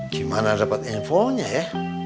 gimana dapet infonya ya